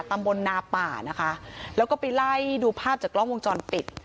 ตำบลนาป่านะคะแล้วก็ไปไล่ดูภาพจากกล้องวงจรปิด